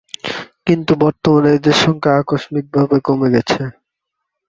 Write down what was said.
কিন্তু বর্তমানে এদের সংখ্যা আকস্মিক ভাবে কমে গেছে।